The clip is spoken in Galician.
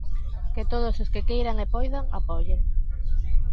Que todos os que queiran e poidan, apoien.